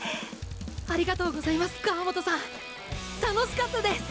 ありがとうございます川本さん楽しかったです！